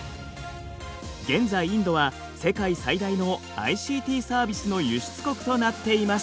現在インドは世界最大のＩＣＴサービスの輸出国となっています。